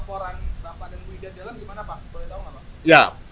laporan bapak dan wida jalan gimana pak boleh tahu nggak pak